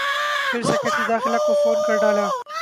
پھر سیکرٹری داخلہ کو فون کر ڈالا۔